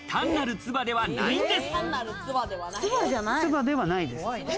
唾ではないです。